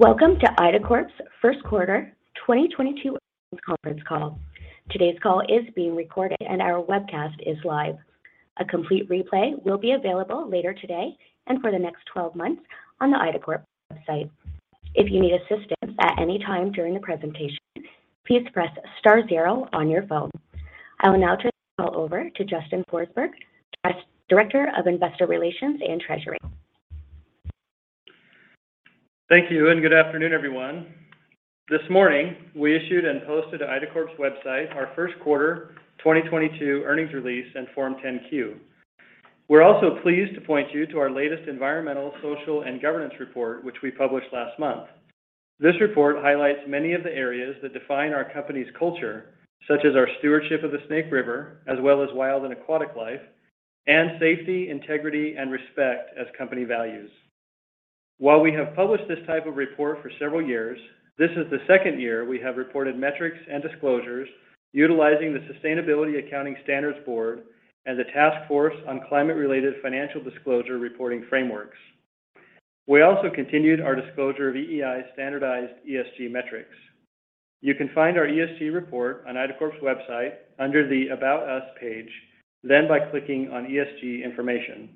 Welcome to IDACORP's Q1, 2022 Conference Call. Today's call is being recorded, and our webcast is live. A complete replay will be available later today and for the next 12 months on the IDACORP website. If you need assistance at any time during the presentation, please press star zero on your phone. I will now turn the call over to Justin Forsberg, Director of Investor Relations and Treasury. Thank you, and good afternoon, everyone. This morning, we issued and posted to IDACORP's website our Q1, 2022 earnings release and Form 10-Q. We're also pleased to point you to our latest environmental, social, and governance report, which we published last month. This report highlights many of the areas that define our company's culture, such as our stewardship of the Snake River, as well as wild and aquatic life, and safety, integrity, and respect as company values. While we have published this type of report for several years, this is the second year we have reported metrics and disclosures utilizing the Sustainability Accounting Standards Board as a Task Force on Climate-related Financial Disclosures reporting frameworks. We also continued our disclosure of EEI standardized ESG metrics. You can find our ESG report on IDACORP's website under the About Us page, then by clicking on ESG Information.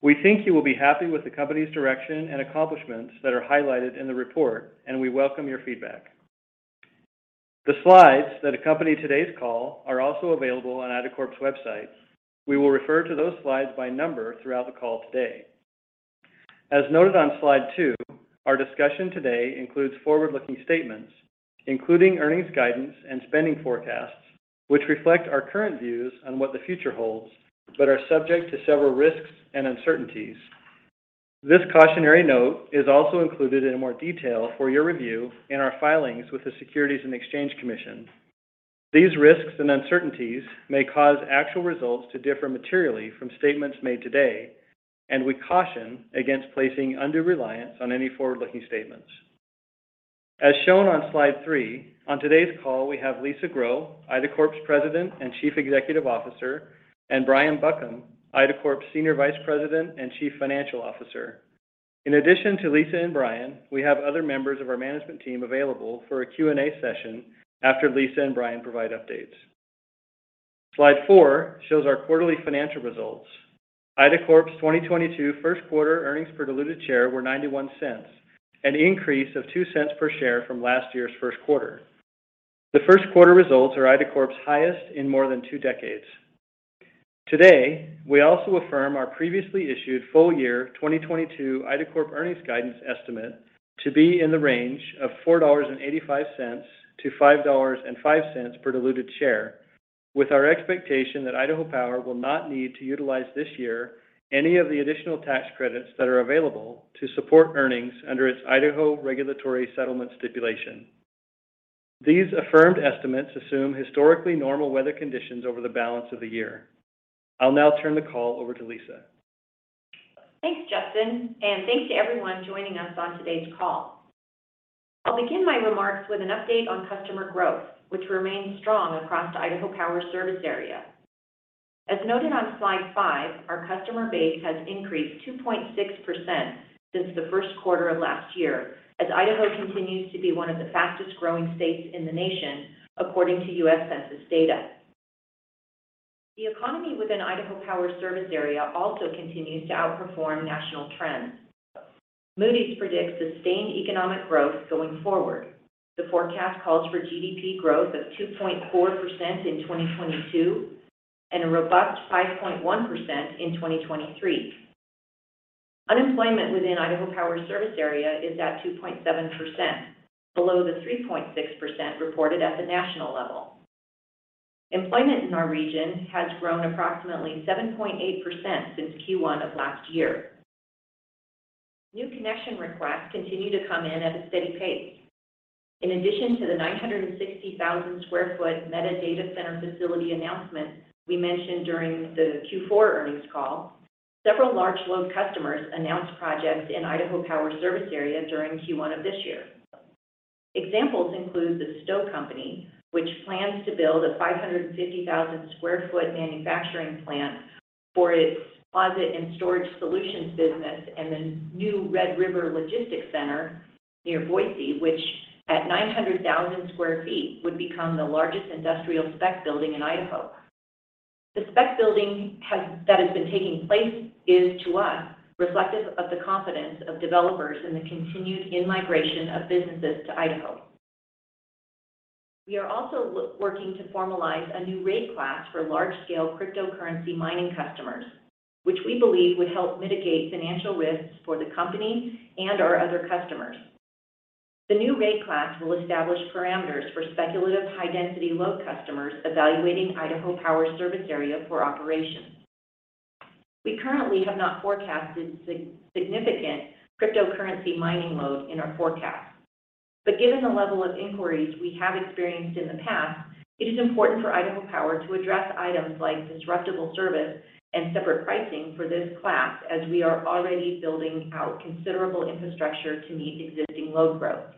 We think you will be happy with the company's direction and accomplishments that are highlighted in the report, and we welcome your feedback. The slides that accompany today's call are also available on IDACORP's website. We will refer to those slides by number throughout the call today. As noted on slide two, our discussion today includes forward-looking statements, including earnings guidance and spending forecasts, which reflect our current views on what the future holds but are subject to several risks and uncertainties. This cautionary note is also included in more detail for your review in our filings with the Securities and Exchange Commission. These risks and uncertainties may cause actual results to differ materially from statements made today, and we caution against placing undue reliance on any forward-looking statements. As shown on slide three, on today's call, we have Lisa Grow, IDACORP's President and Chief Executive Officer, and Brian Buckham, IDACORP's Senior Vice President and Chief Financial Officer. In addition to Lisa and Brian, we have other members of our management team available for a Q&A session after Lisa and Brian provide updates. Slide four shows our quarterly financial results. IDACORP's 2022, Q1 earnings per diluted share were $0.91, an increase of $0.02 per share from last year's Q1. The Q1 results are IDACORP's highest in more than two decades. Today, we also affirm our previously issued full-year 2022 IDACORP earnings guidance estimate to be in the range of $4.85-$5.05 per diluted share. With our expectation that Idaho Power will not need to utilize this year any of the additional tax credits that are available to support earnings under its Idaho regulatory settlement stipulation. These affirmed estimates assume historically normal weather conditions over the balance of the year. I'll now turn the call over to Lisa. Thanks, Justin, and thanks to everyone joining us on today's call. I'll begin my remarks with an update on customer growth, which remains strong across the Idaho Power service area. As noted on slide five, our customer base has increased 2.6% since the Q1 of last year as Idaho continues to be one of the fastest-growing states in the nation, according to U.S. Census Data. The economy within Idaho Power service area also continues to outperform national trends. Moody's predicts sustained economic growth going forward. The forecast calls for GDP growth of 2.4% in 2022 and a robust 5.1% in 2023. Unemployment within Idaho Power service area is at 2.7%, below the 3.6% reported at the national level. Employment in our region has grown approximately 7.8% since Q1 of last year. New connection requests continue to come in at a steady pace. In addition to the 960,000 sq ft Meta data center facility announcement we mentioned during the Q4 earnings call, several large load customers announced projects in Idaho Power service area during Q1 of this year. Examples include the The Stow Company, which plans to build a 550,000 sq. ft manufacturing plant for its closet and storage solutions business and the new Red River Logistics Center near Boise, which at 900,000 sq. ft, would become the largest industrial spec building in Idaho. The spec building that has been taking place is, to us, reflective of the confidence of developers in the continued in-migration of businesses to Idaho. We are also working to formalize a new rate class for large-scale cryptocurrency mining customers, which we believe would help mitigate financial risks for the company and our other customers. The new rate class will establish parameters for speculative high-density load customers evaluating Idaho Power service area for operations. We currently have not forecasted significant cryptocurrency mining load in our forecast. Given the level of inquiries we have experienced in the past, it is important for Idaho Power to address items like interruptible service and separate pricing for this class as we are already building out considerable infrastructure to meet existing load growth.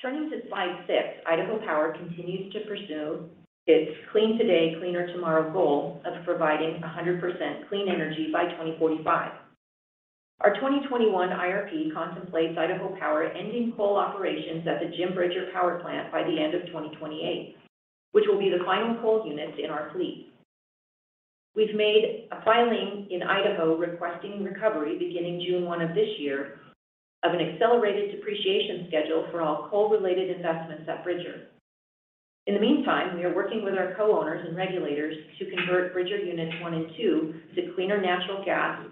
Turning to slide six, Idaho Power continues to pursue its Clean Today, Cleaner Tomorrow goal of providing 100% clean energy by 2045. Our 2021 IRP contemplates Idaho Power ending coal operations at the Jim Bridger Power Plant by the end of 2028, which will be the final coal units in our fleet. We've made a filing in Idaho requesting recovery beginning June 1 of this year of an accelerated depreciation schedule for all coal-related investments at Bridger. In the meantime, we are working with our co-owners and regulators to convert Bridger units 1 and 2 to cleaner natural gas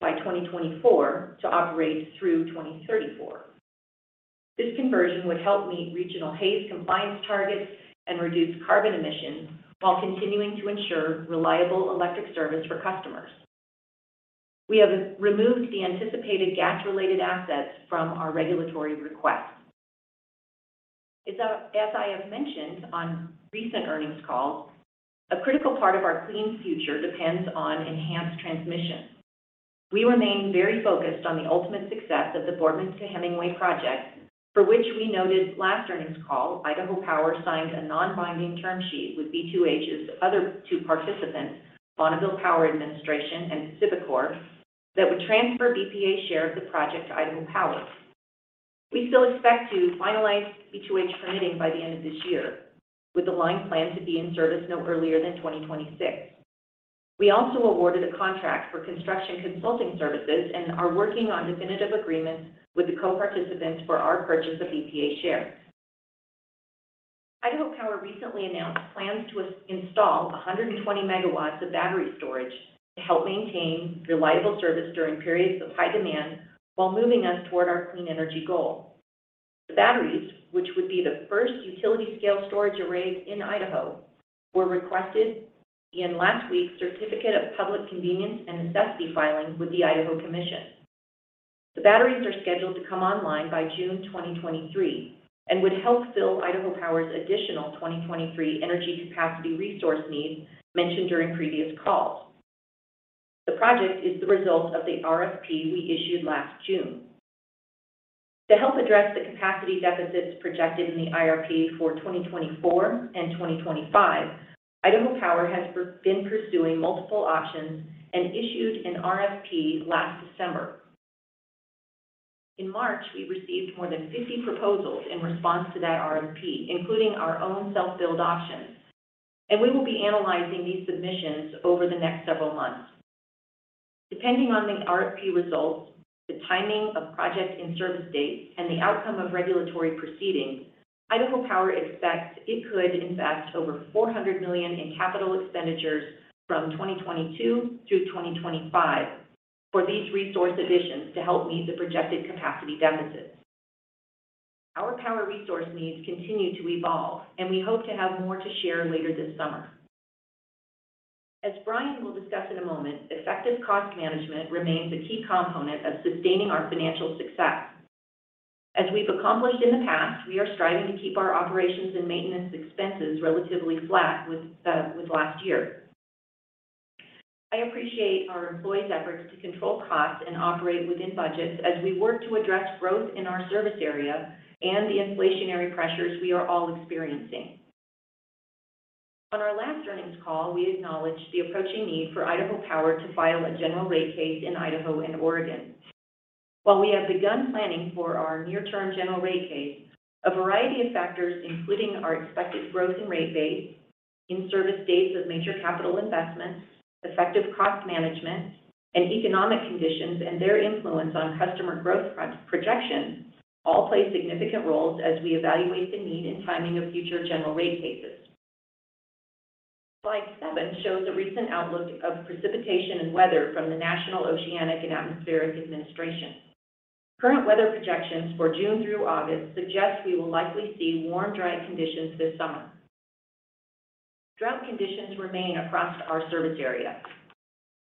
by 2024 to operate through 2034. This conversion would help meet regional haze compliance targets and reduce carbon emissions while continuing to ensure reliable electric service for customers. We have removed the anticipated gas-related assets from our regulatory request. As I have mentioned on recent earnings calls, a critical part of our clean future depends on enhanced transmission. We remain very focused on the ultimate success of the Boardman to Hemingway project, for which we noted last earnings call, Idaho Power signed a non-binding term sheet with B2H's other two participants, Bonneville Power Administration and PacifiCorp, that would transfer BPA's share of the project to Idaho Power. We still expect to finalize B2H permitting by the end of this year, with the line planned to be in service no earlier than 2026. We also awarded a contract for construction consulting services and are working on definitive agreements with the co-participants for our purchase of BPA's share. Idaho Power recently announced plans to install 120 MW of battery storage to help maintain reliable service during periods of high demand while moving us toward our clean energy goal. The batteries, which would be the first utility-scale storage array in Idaho, were requested in last week's Certificate of Public Convenience and Necessity filing with the Idaho Commission. The batteries are scheduled to come online by June 2023 and would help fill Idaho Power's additional 2023 energy capacity resource needs mentioned during previous calls. The project is the result of the RFP we issued last June. To help address the capacity deficits projected in the IRP for 2024 and 2025, Idaho Power has been pursuing multiple options and issued an RFP last December. In March, we received more than 50 proposals in response to that RFP, including our own self-build options, and we will be analysing these submissions over the next several months. Depending on the RFP results, the timing of project and service dates, and the outcome of regulatory proceedings, Idaho Power expects it could invest over $400 million in capital expenditures from 2022 through 2025 for these resource additions to help meet the projected capacity deficits. Our power resource needs continue to evolve, and we hope to have more to share later this summer. As Brian will discuss in a moment, effective cost management remains a key component of sustaining our financial success. As we've accomplished in the past, we are striving to keep our operations and maintenance expenses relatively flat with last year. I appreciate our employees' efforts to control costs and operate within budgets as we work to address growth in our service area and the inflationary pressures we are all experiencing. On our last earnings call, we acknowledged the approaching need for Idaho Power to file a general rate case in Idaho and Oregon. While we have begun planning for our near-term general rate case, a variety of factors, including our expected growth in rate base, in-service dates of major capital investments, effective cost management, and economic conditions and their influence on customer growth projections all play significant roles as we evaluate the need and timing of future general rate cases. Slide seven shows a recent outlook of precipitation and weather from the National Oceanic and Atmospheric Administration. Current weather projections for June through August suggest we will likely see warm, dry conditions this summer. Drought conditions remain across our service area.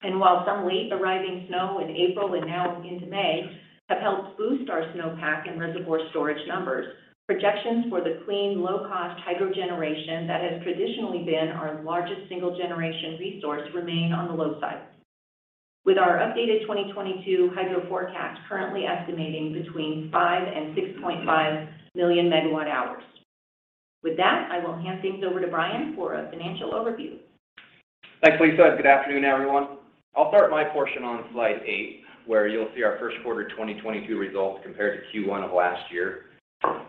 While some late-arriving snow in April and now into May have helped boost our snowpack and reservoir storage numbers, projections for the clean, low-cost hydro generation that has traditionally been our largest single generation resource remain on the low side, with our updated 2022 hydro forecast currently estimating between 5 and 6.5 million MWh. With that, I will hand things over to Brian for a financial overview. Thanks, Lisa. Good afternoon, everyone. I'll start my portion on slide eight, where you'll see our Q1, 2022 results compared to Q1 of last year.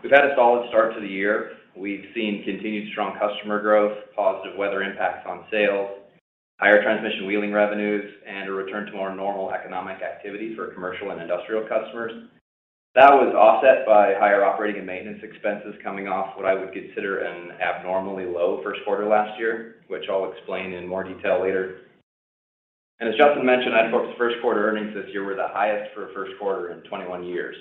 We've had a solid start to the year. We've seen continued strong customer growth, positive weather impacts on sales, higher transmission wheeling revenues, and a return to more normal economic activity for commercial and industrial customers. That was offset by higher operating and maintenance expenses coming off what I would consider an abnormally low Q1 last year, which I'll explain in more detail later. As Justin mentioned, Idaho Power's Q1 earnings this year were the highest for a Q1 in 21 years.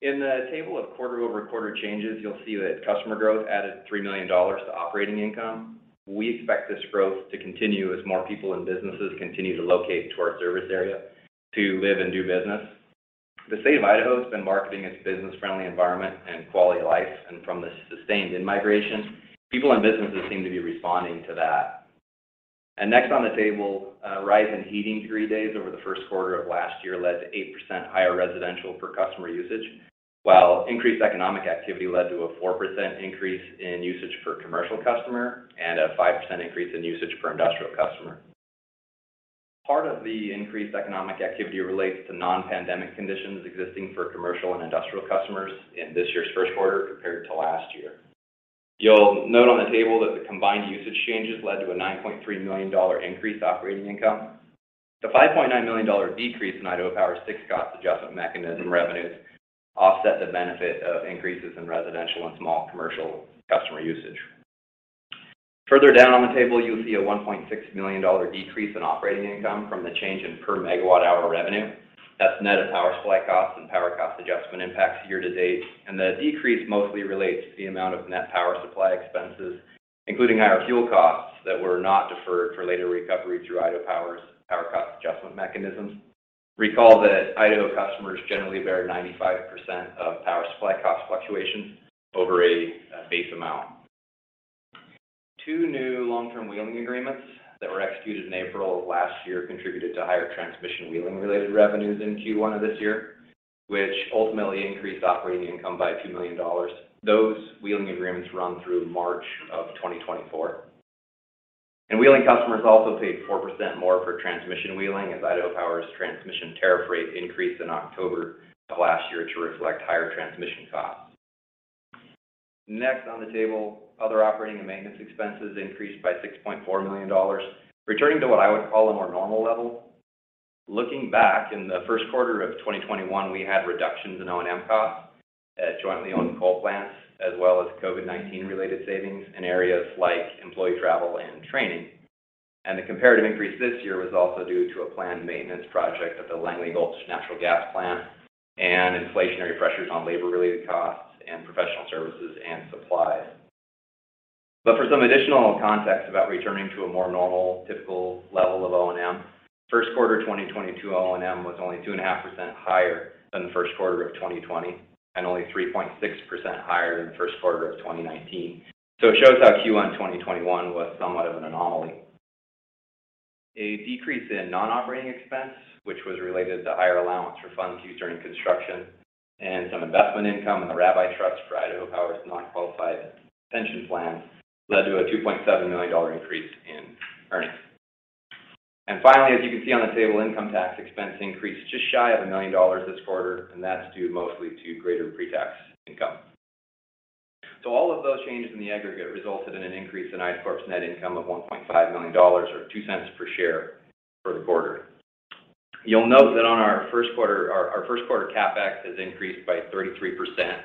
In the table of quarter-over-quarter changes, you'll see that customer growth added $3 million to operating income. We expect this growth to continue as more people and businesses continue to locate to our service area to live and do business. The state of Idaho has been marketing its business-friendly environment and quality of life, and from the sustained in-migration, people and businesses seem to be responding to that. Next on the table, a rise in heating degree days over the Q1 of last year led to 8% higher residential per customer usage, while increased economic activity led to a 4% increase in usage per commercial customer and a 5% increase in usage per industrial customer. Part of the increased economic activity relates to non-pandemic conditions existing for commercial and industrial customers in this year's Q1 compared to last year. You'll note on the table that the combined usage changes led to a $9.3 million increase in operating income. The $5.9 million decrease in Idaho Power's fixed-cost adjustment mechanism revenues offset the benefit of increases in residential and small commercial customer usage. Further down on the table, you'll see a $1.6 million decrease in operating income from the change in per megawatt-hour revenue. That's net of power supply costs and Power Cost Adjustment impacts year to date, and the decrease mostly relates to the amount of net power supply expenses, including higher fuel costs that were not deferred for later recovery through Idaho Power's Power Cost Adjustment mechanisms. Recall that Idaho customers generally bear 95% of power supply cost fluctuations over a base amount. Two new long-term wheeling agreements that were executed in April of last year contributed to higher transmission wheeling related revenues in Q1 of this year, which ultimately increased operating income by $2 million. Those wheeling agreements run through March of 2024. Wheeling customers also paid 4% more for transmission wheeling as Idaho Power's transmission tariff rate increased in October of last year to reflect higher transmission costs. Next on the table, other operating and maintenance expenses increased by $6.4 million. Returning to what I would call a more normal level, looking back in the Q1 of 2021, we had reductions in O&M costs at jointly owned coal plants, as well as COVID-19 related savings in areas like employee travel and training. The comparative increase this year was also due to a planned maintenance project at the Langley Gulch natural gas plant and inflationary pressures on labor-related costs and professional services and supplies. For some additional context about returning to a more normal, typical level of O&M, Q1, 2022 O&M was only 2.5% higher than the Q1 of 2020 and only 3.6% higher than the Q1 of 2019. It shows how Q1, 2021 was somewhat of an anomaly. A decrease in non-operating expense, which was related to higher allowance for funds used during construction and some investment income in the Rabbi Trust for Idaho Power's non-qualified pension plan, led to a $2.7 million increase in earnings. Finally, as you can see on the table, income tax expense increased just shy of $1 million this quarter, and that's due mostly to greater pre-tax income. All of those changes in the aggregate resulted in an increase in IDACORP's net income of $1.5 million or $0.02 per share for the quarter. You'll note that on our Q1 CapEx has increased by 33%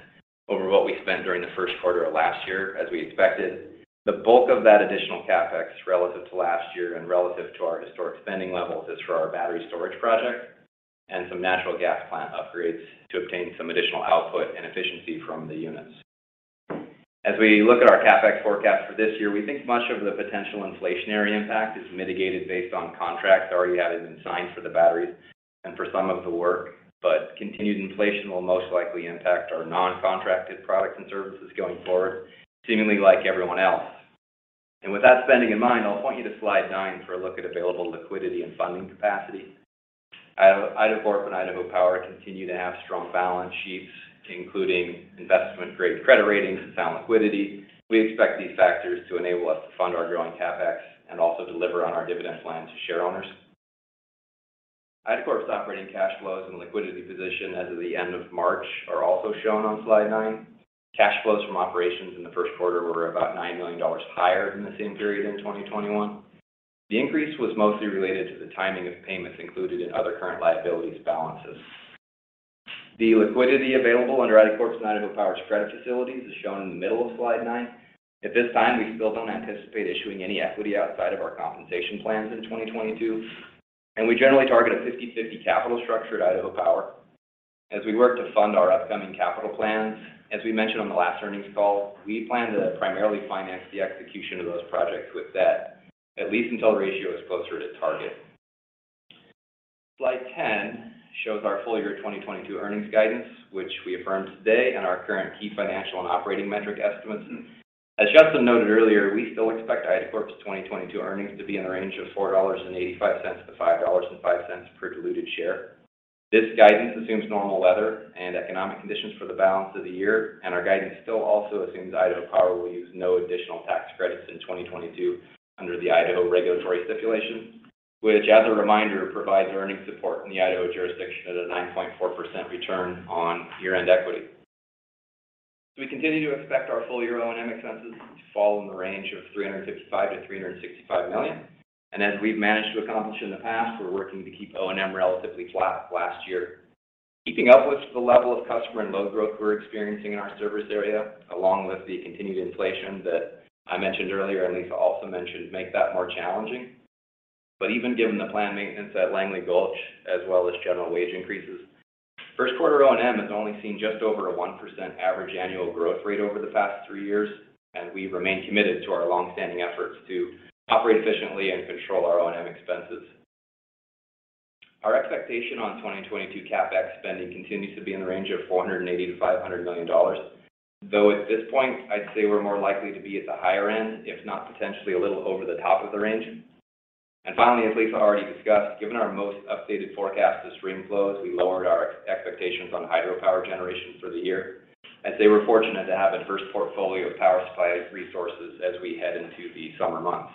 over what we spent during the Q1 of last year, as we expected. The bulk of that additional CapEx relative to last year and relative to our historic spending levels is for our battery storage project and some natural gas plant upgrades to obtain some additional output and efficiency from the units. As we look at our CapEx forecast for this year, we think much of the potential inflationary impact is mitigated based on contracts already added and signed for the batteries and for some of the work. Continued inflation will most likely impact our non-contracted products and services going forward, seemingly like everyone else. With that spending in mind, I'll point you to slide nine for a look at available liquidity and funding capacity. IDACORP and Idaho Power continue to have strong balance sheets, including investment-grade credit ratings and sound liquidity. We expect these factors to enable us to fund our growing CapEx and also deliver on our dividend plan to share owners. IDACORP's operating cash flows and liquidity position as of the end of March are also shown on slide nine. Cash flows from operations in the Q1 were about $9 million higher than the same period in 2021. The increase was mostly related to the timing of payments included in other current liabilities balances. The liquidity available under IDACORP's and Idaho Power's credit facilities is shown in the middle of slide nine. At this time, we still don't anticipate issuing any equity outside of our compensation plans in 2022, and we generally target a 50/50 capital structure at Idaho Power. We work to fund our upcoming capital plans, as we mentioned on the last earnings call, we plan to primarily finance the execution of those projects with debt, at least until the ratio is closer to target. Slide 10 shows our full-year 2022 earnings guidance, which we affirm today, and our current key financial and operating metric estimates. As Justin noted earlier, we still expect IDACORP's 2022 earnings to be in the range of $4.85-$5.05 per diluted share. This guidance assumes normal weather and economic conditions for the balance of the year, and our guidance still also assumes Idaho Power will use no additional tax credits in 2022 under the Idaho regulatory stipulation, which, as a reminder, provides earnings support in the Idaho jurisdiction at a 9.4% return on year-end equity. We continue to expect our full year O&M expenses to fall in the range of $355 million-$365 million. As we've managed to accomplish in the past, we're working to keep O&M relatively flat last year. Keeping up with the level of customer and load growth we're experiencing in our service area, along with the continued inflation that I mentioned earlier and Lisa also mentioned, make that more challenging. Even given the planned maintenance at Langley Gulch, as well as general wage increases, Q1, O&M has only seen just over a 1% average annual growth rate over the past three years, and we remain committed to our long-standing efforts to operate efficiently and control our O&M expenses. Our expectation on 2022 CapEx spending continues to be in the range of $480 million-$500 million, though at this point, I'd say we're more likely to be at the higher end, if not potentially a little over the top of the range. Finally, as Lisa already discussed, given our most updated forecast for stream flows, we lowered our expectations on hydropower generation for the year, as we were fortunate to have a diverse portfolio of power supply resources as we head into the summer months.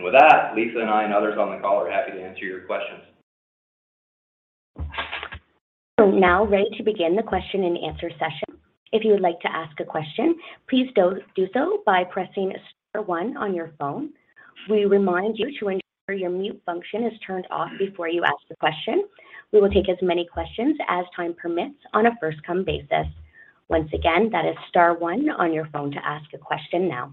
With that, Lisa and I and others on the call are happy to answer your questions. We're now ready to begin the question and answer session. If you would like to ask a question, please do so by pressing star one on your phone. We remind you to ensure your mute function is turned off before you ask the question. We will take as many questions as time permits on a first-come basis. Once again, that is star one on your phone to ask a question now.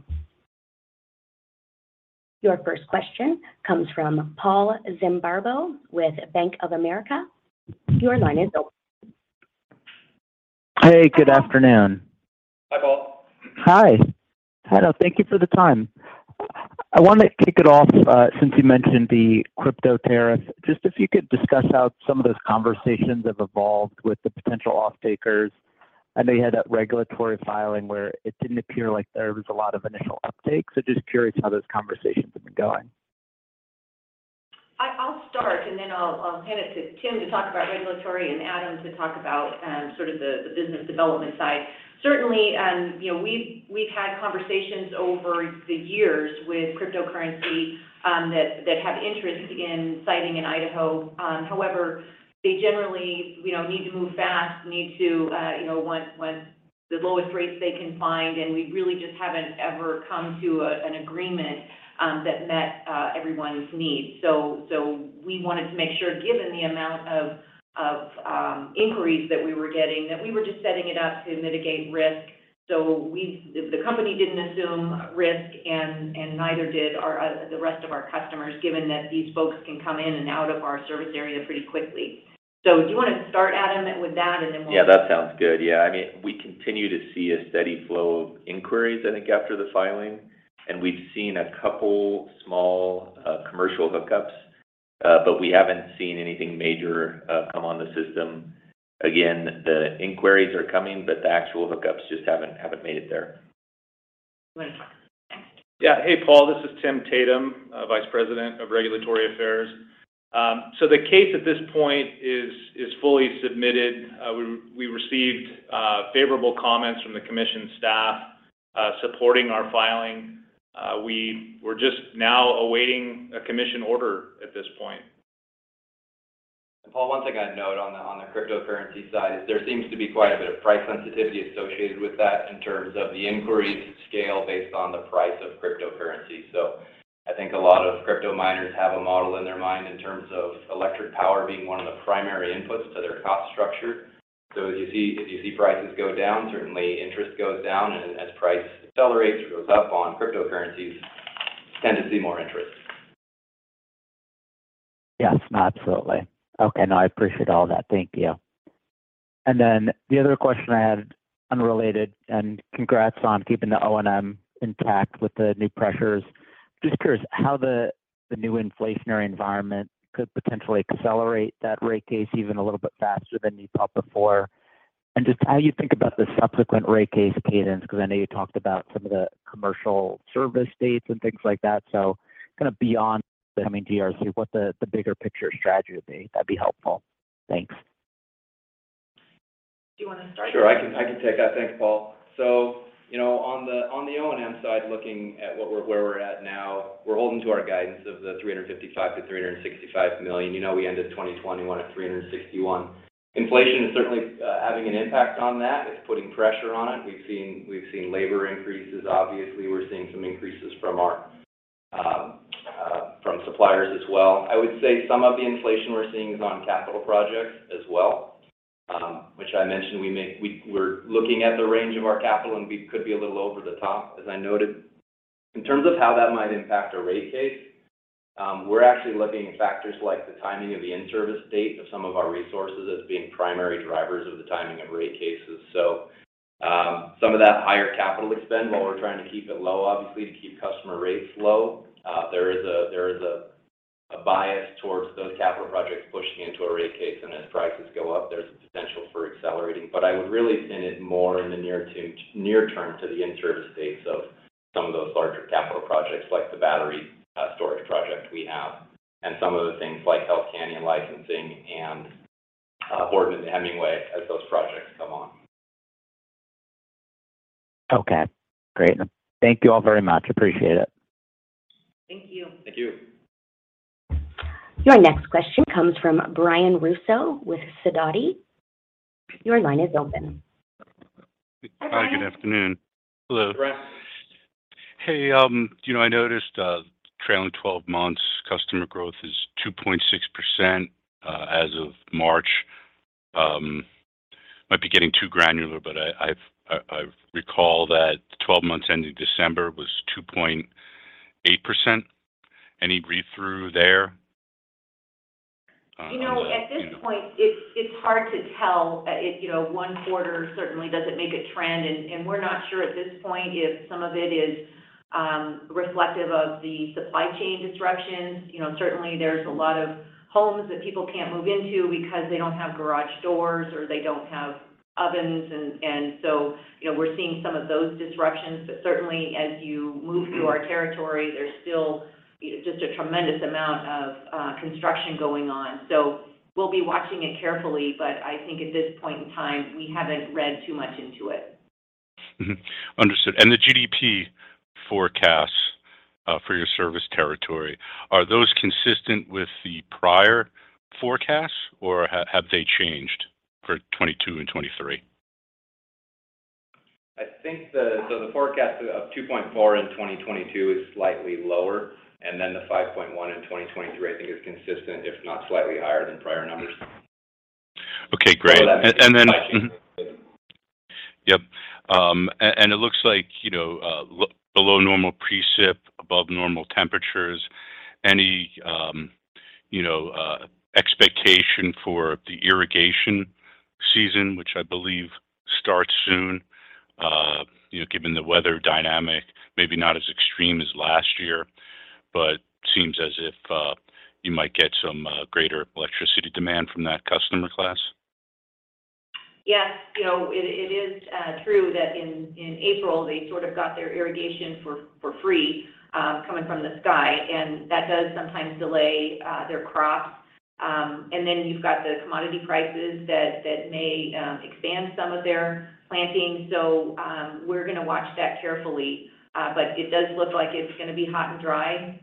Your first question comes from Paul Zimbardo with Bank of America. Your line is open. Hey, good afternoon. Hi, Paul. Hi. Hello. Thank you for the time. I wanna kick it off, since you mentioned the crypto tariffs, just if you could discuss how some of those conversations have evolved with the potential off-takers. I know you had that regulatory filing where it didn't appear like there was a lot of initial uptake, so just curious how those conversations have been going. I'll start and then I'll hand it to Tim to talk about regulatory and Adam to talk about the business development side. Certainly, you know, we've had conversations over the years with cryptocurrency that have interest in siting in Idaho. However, they generally need to move fast, need to want the lowest rates they can find, and we really just haven't ever come to an agreement that met everyone's needs. We wanted to make sure, given the amount of inquiries that we were getting, that we were just setting it up to mitigate risk. The company didn't assume risk and neither did the rest of our customers, given that these folks can come in and out of our service area pretty quickly. Do you wanna start, Adam, with that, and then we'll? Yeah, that sounds good. Yeah. I mean, we continue to see a steady flow of inquiries, I think, after the filing, and we've seen a couple small commercial hook ups, but we haven't seen anything major come on the system. Again, the inquiries are coming, but the actual hook ups just haven't made it there. You wanna talk next? Yeah. Hey, Paul. This is Tim Tatum, Vice President of Regulatory Affairs. The case at this point is fully submitted. We received favorable comments from the commission staff supporting our filing. We're just now awaiting a commission order at this point. Paul, one thing I'd note on the cryptocurrency side is there seems to be quite a bit of price sensitivity associated with that in terms of the inquiries scale based on the price of cryptocurrency. I think a lot of crypto miners have a model in their mind in terms of electric power being one of the primary inputs to their cost structure. If you see prices go down, certainly interest goes down, and as price accelerates, goes up on cryptocurrencies, tend to see more interest. Yes. Absolutely. Okay. I appreciate all that. Thank you. Then the other question I had, unrelated, and congrats on keeping the O&M intact with the new pressures. Just curious how the new inflationary environment could potentially accelerate that rate case even a little bit faster than you thought before, and just how you think about the subsequent rate case cadence, because I know you talked about some of the commercial service dates and things like that. Beyond the coming GRC, what the bigger picture strategy would be? That'd be helpful. Thanks. Do you wanna start? Sure. I can take that. Thanks, Paul. On the O&M side, looking at where we're at now, we're holding to our guidance of $355 million-$365 million. You know, we ended 2021 at $361 million. Inflation is certainly having an impact on that. It's putting pressure on it. We've seen labor increases, obviously. We're seeing some increases from our suppliers as well. I would say some of the inflation we're seeing is on capital projects as well, which I mentioned. We're looking at the range of our capital, and we could be a little over the top, as I noted. In terms of how that might impact our rate case, we're actually looking at factors like the timing of the in-service date of some of our resources as being primary drivers of the timing of rate cases. Some of that higher CapEx, while we're trying to keep it low, obviously, to keep customer rates low, there is a bias towards those capital projects pushing into a rate case, and as prices go up, there's a potential for accelerating. I would really pin it more in the near term to the in-service dates of some of those larger capital projects, like the battery storage project we have, and some of the things like Hells Canyon licensing and Boardman to Hemingway as those projects come on. Okay. Great. Thank you all very much. Appreciate it. Thank you. Thank you. Your next question comes from Brian Russo with Sidoti. Your line is open. Hi, Brian. Hi. Good afternoon. Hello. Brian. Hey, you know, I noticed trailing 12-months customer growth is 2.6%, as of March. Might be getting too granular, but I recall that 12-months ending December was 2.8%. Any read-through there? At this point, it's hard to tell. You know, one quarter certainly doesn't make a trend, and we're not sure at this point if some of it is reflective of the supply chain disruptions. Certainly there's a lot of homes that people can't move into because they don't have garage doors or they don't have ovens and so, you know, we're seeing some of those disruptions. Certainly as you move through our territory, there's still, just a tremendous amount of construction going on. We'll be watching it carefully, but I think at this point in time, we haven't read too much into it. Understood. The GDP forecasts for your service territory, are those consistent with the prior forecasts, or have they changed for 2022 and 2023? I think the forecast of 2.4% in 2022 is slightly lower, and then the 5.1% in 2023 I think is consistent, if not slightly higher than prior numbers. Okay, great. That is slightly. Yep. It looks like, you know, below normal precip, above normal temperatures. Any expectation for the irrigation season, which I believe starts soon, you know, given the weather dynamic, maybe not as extreme as last year, but seems as if you might get some greater electricity demand from that customer class? Yes. It is true that in April, they got their irrigation for free, coming from the sky, and that does sometimes delay their crops. You've got the commodity prices that may expand some of their planting. We're gonna watch that carefully. It does look like it's gonna be hot and dry,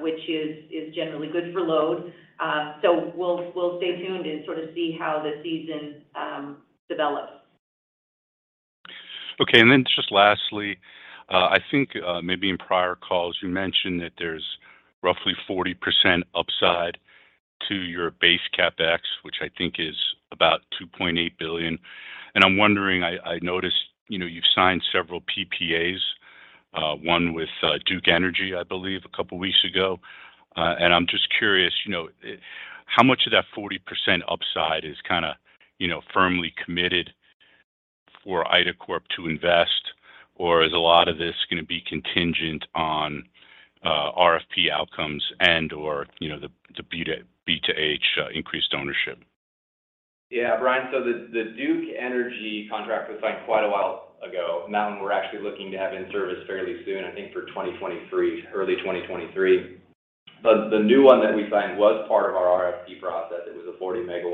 which is generally good for load. We'll stay tuned and sort of see how the season develops. Okay. Just lastly, I think maybe in prior calls you mentioned that there's roughly 40% upside to your base CapEx, which I think is about $2.8 billion. I'm wondering, I noticed, you know, you've signed several PPAs, one with Duke Energy, I believe, a couple weeks ago. I'm just curious, you know, how much of that 40% upside is, you know, firmly committed for IDACORP to invest or is a lot of this gonna be contingent on RFP outcomes and/or the B2H increased ownership? Yeah. Brian, the Duke Energy contract was signed quite a while ago. That one we're actually looking to have in service fairly soon, I think for 2023, early 2023. The new one that we signed was part of our RFP process. It was a 40 MW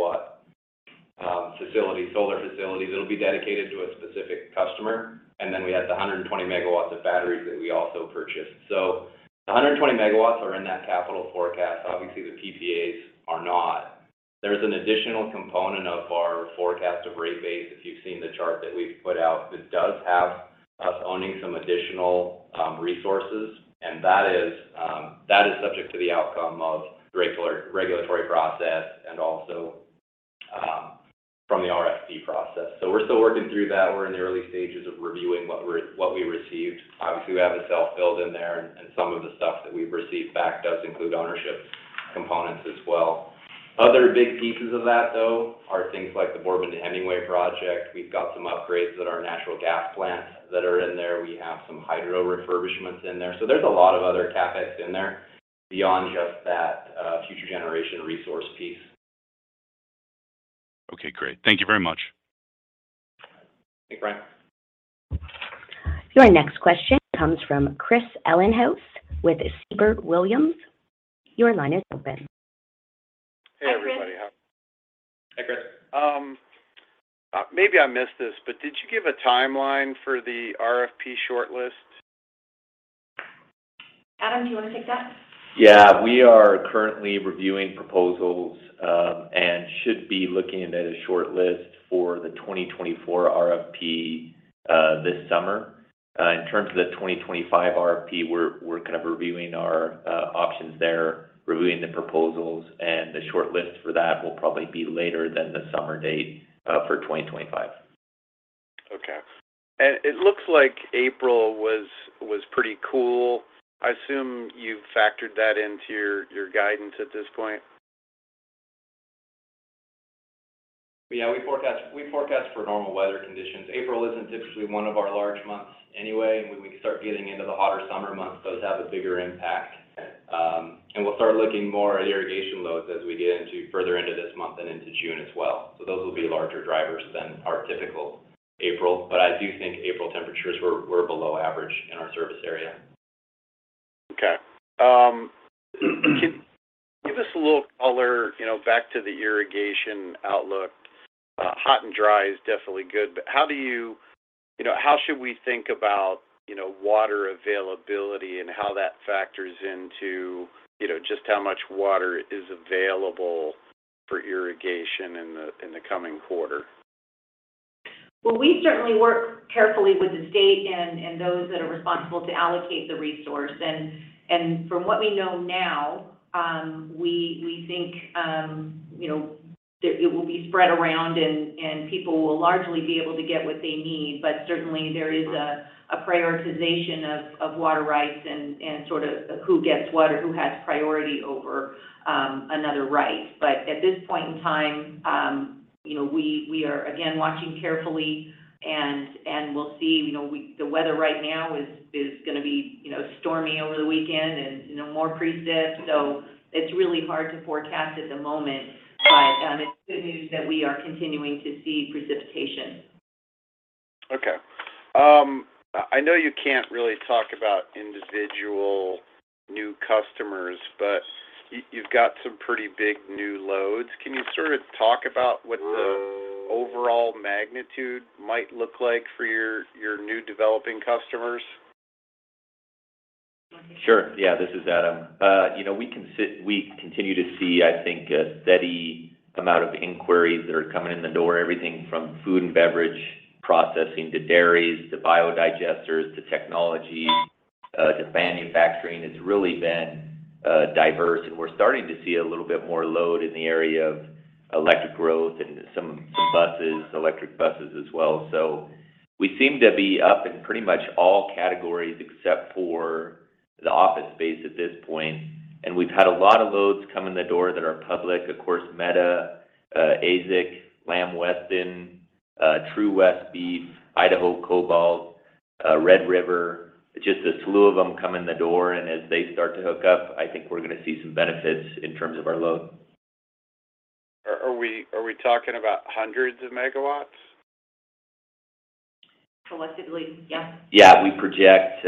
facility, solar facility that'll be dedicated to a specific customer. Then we had the 120 MW of batteries that we also purchased. The 120 MW are in that capital forecast obviously, the PPAs are not. There's an additional component of our forecast of rate base, if you've seen the chart that we've put out, that does have us owning some additional resources, and that is subject to the outcome of regulatory process and also from the RFP process. We're still working through that. We're in the early stages of reviewing what we received. Obviously, we have a self-build in there, and some of the stuff that we've received back does include ownership components as well. Other big pieces of that, though, are things like the Boardman to Hemingway project. We've got some upgrades at our natural gas plants that are in there. We have some hydro refurbishments in there. There's a lot of other CapEx in there beyond just that, future generation resource piece. Okay. Great. Thank you very much. Thanks, Brian. Your next question comes from Chris Ellinghaus with Siebert Williams Shank. Your line is open. Hi, Chris. Hey, everybody. Hi, Chris. Maybe I missed this, but did you give a timeline for the RFP shortlist? Adam, do you wanna take that? Yeah. We are currently reviewing proposals, and should be looking at a shortlist for the 2024 RFP, this summer. In terms of the 2025 RFP, we're reviewing our options there, reviewing the proposals, and the shortlist for that will probably be later than the summer date, for 2025. Okay. It looks like April was pretty cool. I assume you've factored that into your guidance at this point? Yeah, we forecast for normal weather conditions. April isn't typically one of our large months anyway. When we start getting into the hotter summer months, those have a bigger impact. We'll start looking more at irrigation loads as we get further into this month and into June as well. Those will be larger drivers than our typical April. I do think April temperatures were below average in our service area. Okay. Give us a little color, you know, back to the irrigation outlook. Hot and dry is definitely good, but you know, how should we think about, you know, water availability and how that factors into just how much water is available for irrigation in the coming quarter? Well, we certainly work carefully with the state and those that are responsible to allocate the resource. From what we know now, we think, you know, that it will be spread around and people will largely be able to get what they need. Certainly there is a prioritization of water rights and sort of who gets what or who has priority over another right. At this point in time, we are again watching carefully and we'll see. The weather right now is gonna be, you know, stormy over the weekend and, more precip. It's really hard to forecast at the moment. It's good news that we are continuing to see precipitation. Okay. I know you can't really talk about individual new customers, but you've got some pretty big new loads. Can you sort of talk about what the overall magnitude might look like for your new developing customers? Sure. Yeah, this is Adam. We continue to see, I think, a steady amount of inquiries that are coming in the door, everything from food and beverage processing to dairies to bio digesters to technology to manufacturing. It's really been diverse, and we're starting to see a little bit more load in the area of electric growth and some buses, electric buses as well. We seem to be up in pretty much all categories except for the office space at this point. We've had a lot of loads come in the door that are public. Of course, Meta, ASIC, Lamb Weston, True West Beef, Idaho Cobalt, Red River, just a slew of them come in the door. As they start to hook up, I think we're gonna see some benefits in terms of our load. Are we talking about hundreds of megawatts? Collectively, yes. Yeah. We project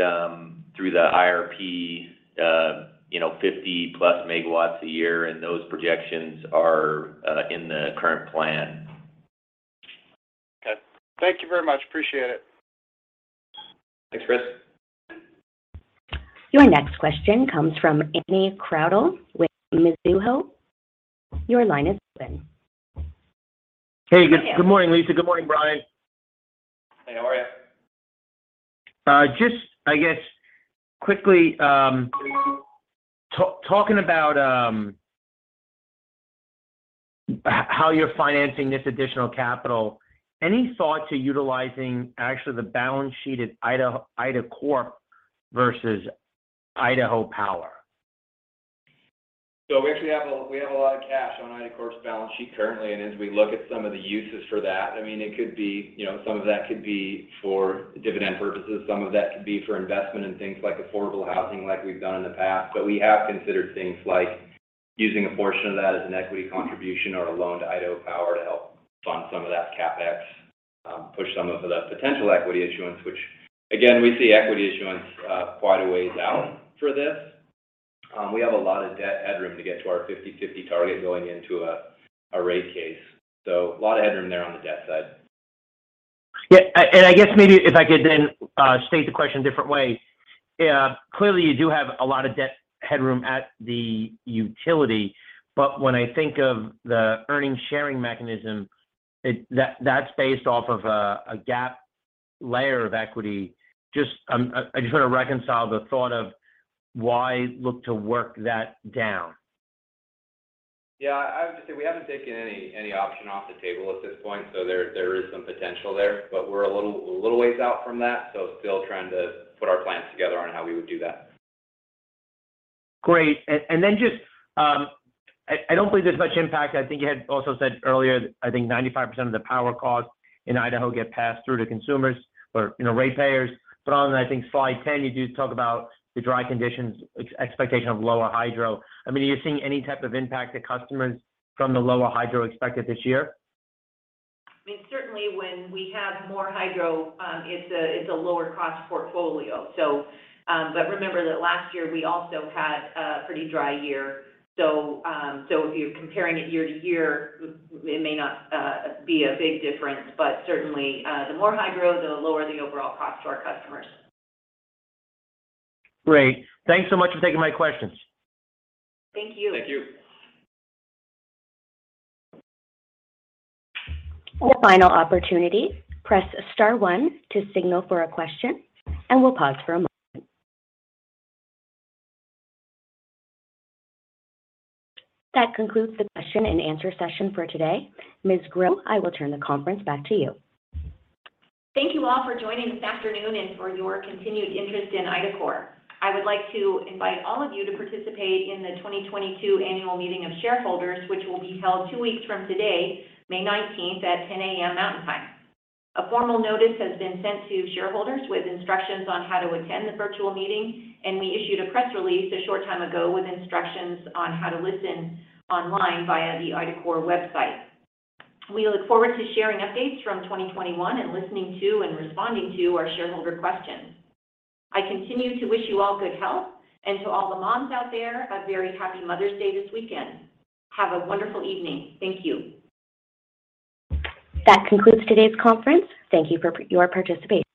through the IRP, you know, 50+ MW a year, and those projections are in the current plan. Okay. Thank you very much. Appreciate it. Thanks, Chris. Your next question comes from Anthony Crowdell with Mizuho. Your line is open. Hey. Good morning, Lisa. Good morning, Brian. Hey. How are you? Just I guess quickly, talking about how you're financing this additional capital, any thought to utilizing actually the balance sheet at IDACORP versus Idaho Power? We actually have a lot of cash on IDACORP's balance sheet currently. As we look at some of the uses for that, I mean, it could be, you know, some of that could be for dividend purposes, some of that could be for investment in things like affordable housing like we've done in the past. We have considered things like using a portion of that as an equity contribution or a loan to Idaho Power to help fund some of that CapEx, push some of the potential equity issuance, which again, we see equity issuance quite a ways out for this. We have a lot of debt headroom to get to our 50/50 target going into a rate case. A lot of headroom there on the debt side. I guess maybe if I could then state the question a different way. Clearly, you do have a lot of debt headroom at the utility, but when I think of the earnings sharing mechanism, that's based off of a capital layer of equity. Just, I just wanna reconcile the thought of why look to work that down. Yeah. I would just say we haven't taken any option off the table at this point, so there is some potential there. We're a little ways out from that, so still trying to put our plans together on how we would do that. Great. Then just, I don't believe there's much impact. I think you had also said earlier, I think 95% of the power costs in Idaho get passed through to consumers or, you know, ratepayers. On, I think, slide 10, you do talk about the dry conditions expectation of lower hydro. I mean, are you seeing any type of impact to customers from the lower hydro expected this year? I mean, certainly when we have more hydro, it's a lower cost portfolio. Remember that last year, we also had a pretty dry year. If you're comparing it year to year, it may not be a big difference. Certainly, the more hydro, the lower the overall cost to our customers. Great. Thanks so much for taking my questions. Thank you. Thank you. One final opportunity. Press star one to signal for a question, and we'll pause for a moment. That concludes the question and answer session for today. Ms. Grow, I will turn the conference back to you. Thank you all for joining this afternoon and for your continued interest in IDACORP. I would like to invite all of you to participate in the 2022 annual meeting of shareholders, which will be held two weeks from today, May 19th, at 10:00 A.M. Mountain Time. A formal notice has been sent to shareholders with instructions on how to attend the virtual meeting, and we issued a press release a short time ago with instructions on how to listen online via the IDACORP website. We look forward to sharing updates from 2021 and listening to and responding to our shareholder questions. I continue to wish you all good health, and to all the moms out there, a very happy Mother's Day this weekend. Have a wonderful evening. Thank you. That concludes today's conference. Thank you for your participation.